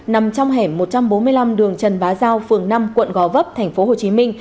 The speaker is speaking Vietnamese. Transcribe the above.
nằm trong hẻm một trăm bốn mươi năm đường trần bá giao phường năm quận gò vấp tp hcm